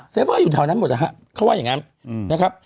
เฟอร์อยู่แถวนั้นหมดนะฮะเขาว่าอย่างนั้นนะครับ